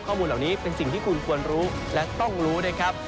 ข้อมูลเหล่านี้เป็นสิ่งที่คุณควรรู้และต้องรู้นะครับ